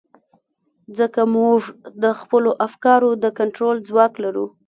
ځکه موږ د خپلو افکارو د کنټرول ځواک لرو.